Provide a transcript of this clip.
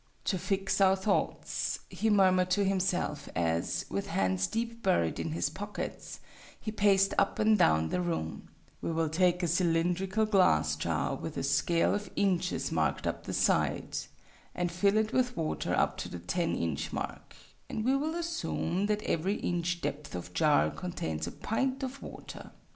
"To fix our thoughts," he murmured to himself, as, with hands deep buried in his pockets, he paced up and down the room, "we will take a cylindrical glass jar, with a scale of inches marked up the side, and fill it with water up to the 10 inch mark: and we will assume that every inch depth of jar contains a pint of water.